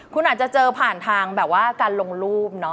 คุณอาจจะเจอผ่านทางแบบว่าการลงรูปเนาะ